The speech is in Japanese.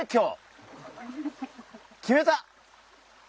決めた！